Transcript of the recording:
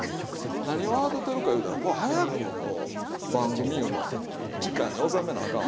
何を慌ててるかいうたら早くこう番組いうのは時間に収めなあかん。